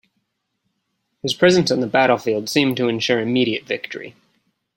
His presence on the battlefield seemed to ensure immediate victory.